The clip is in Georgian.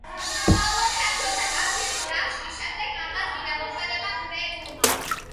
მხოლოდ საბჭოთა კავშირის დაშლის შემდეგ აღადგინა მოქმედება მრევლმა.